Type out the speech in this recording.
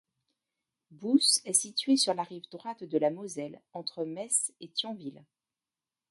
Bousse est située sur la rive droite de la Moselle, entre Metz et Thionville.